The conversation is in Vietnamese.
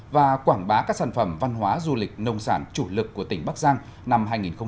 và quảng bá các sản phẩm văn hóa du lịch nông sản chủ lực của tỉnh bắc giang năm hai nghìn một mươi chín